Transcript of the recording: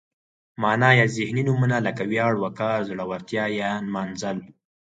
معنا یا ذهني نومونه لکه ویاړ، وقار، زړورتیا یا نمانځل.